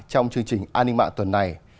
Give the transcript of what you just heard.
trong chương trình an ninh mạng tuần này